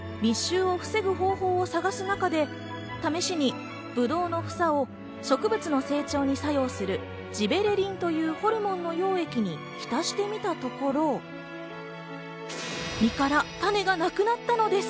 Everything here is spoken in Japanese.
密集を防ぐ方法を探す中で、試しにぶどうの房を植物の成長に作用するジベレリンというホルモンの溶液に浸してみたところ、実から種がなくなったのです。